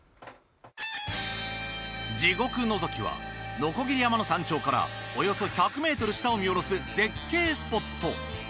地獄のぞきはのこぎり山の山頂からおよそ１００ｍ下を見下ろす絶景スポット。